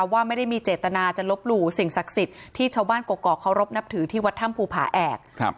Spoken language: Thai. ว่าไม่ได้มีเจตนาจะลบหลู่สิ่งศักดิ์สิทธิ์ที่ชาวบ้านกรกเคารพนับถือที่วัดถ้ำภูผาแอก